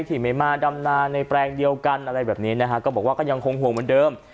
ที่ไม่มาดำนานในแปลงเดียวกันอะไรแบบนี้นะฮะก็บอกว่าก็ยังคงห่วงเหมือนเดิม